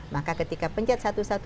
maka ketika pencet satu ratus dua belas